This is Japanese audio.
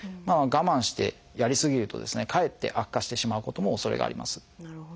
我慢してやりすぎるとですねかえって悪化してしまうおそれがあります。